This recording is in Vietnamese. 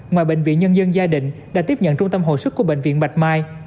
ngoài bệnh viện nhân dân gia đình đã tiếp nhận trung tâm hồi sức của bệnh viện bạch mai